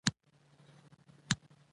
ډيپلومات د سیاسي توازن ملاتړ کوي.